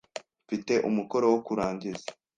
Mfite umukoro wo kurangiza.